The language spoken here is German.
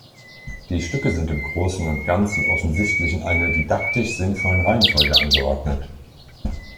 Die Stücke sind im Großen und Ganzen offensichtlich in einer didaktisch sinnvollen Reihenfolge angeordnet.